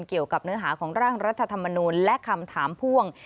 เกี่ยวกับเนื้อหาของร่างรัฐธรรมนูลและคำถามพ่วง